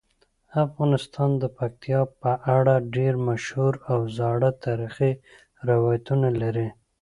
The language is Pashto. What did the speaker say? افغانستان د پکتیکا په اړه ډیر مشهور او زاړه تاریخی روایتونه لري.